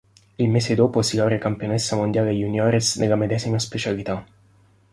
Il mese dopo si laurea campionessa mondiale juniores nella medesima specialità.